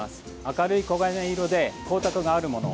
明るい黄金色で光沢があるもの。